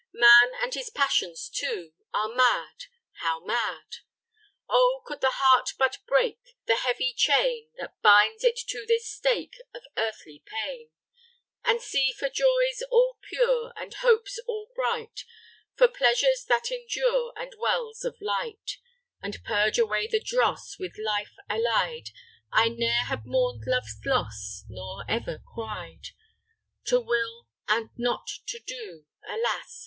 Man and his passions too Are mad how mad! Oh! could the heart but break The heavy chain That binds it to this stake Of earthly pain, And seek for joys all pure, And hopes all bright, For pleasures that endure, And wells of light, And purge away the dross With life allied, I ne'er had mourn'd love's loss, Nor ever cried. To will and not to do, Alas!